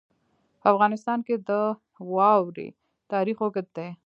په افغانستان کې د واوره تاریخ اوږد دی.